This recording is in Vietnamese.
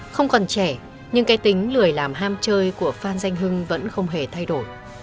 không còn trẻ nhưng cái tính lười làm ham chơi của phan danh hưng vẫn không hề thay đổi